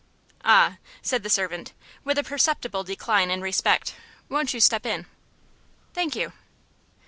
"Ah," said the servant, with a perceptible decline in respect. "Won't you step in?" "Thank you."